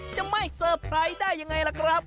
จะไม่เซอร์ไพรส์ได้ยังไงล่ะครับ